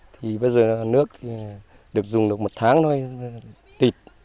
thì bây giờ là nước được dùng được một tháng thôi tịt